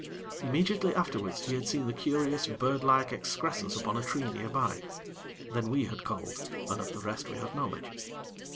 Immediately afterwards he had seen the curious, bird like excrescence upon a tree nearby. Then we had called, and of the rest we had knowledge.